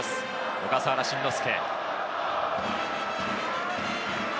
小笠原慎之介。